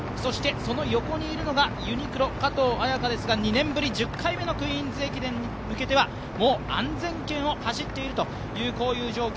その横にいるのがユニクロの加藤綾華ですが２年ぶり１０回目の「クイーンズ駅伝」に向けてはもう安全圏を走っているという状況。